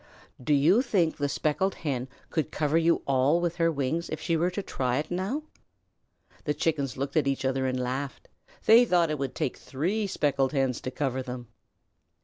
"Do you think the Speckled Hen could cover you all with her wings if she were to try it now?" The Chickens looked at each other and laughed. They thought it would take three Speckled Hens to cover them.